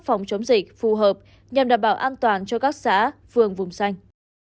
phòng chống dịch phù hợp nhằm đảm bảo an toàn cho các xã phường vùng xanh